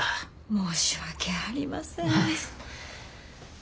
申し訳ありません。